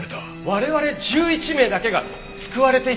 我々１１名だけが救われてよいのだろうか？